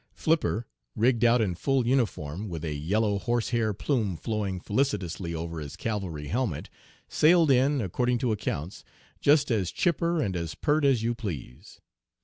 Flipper, rigged out in full uniform, with a yellow horse hair plume flowing felicitously over his cavalry helmet, sailed in, according to accounts, just as chipper and as pert as you please.